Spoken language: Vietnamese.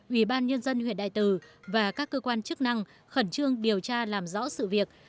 ủy ban nhân dân huyện đại từ và các cơ quan chức năng khẩn trương điều tra làm rõ sự việc